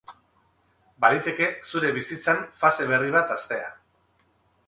Baliteke zure bizitzan fase berri bat hastea.